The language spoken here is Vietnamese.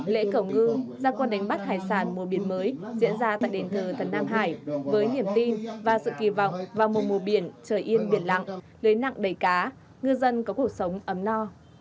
lễ cầu ngư ra con đánh bắt hải sản mùa biển mới diễn ra tại đền thờ thần an hải với niềm tin và sự kỳ vọng vào mùa mùa biển trời yên biển lặng lưới nặng đầy cá ngư dân có cuộc sống ấm no